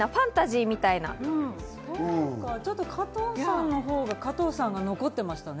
ちょっと加藤さんのほうが、加藤さんが残ってましたね。